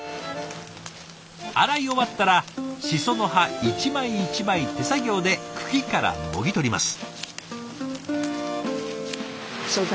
洗い終わったらシソの葉一枚一枚手作業で茎からもぎ取ります。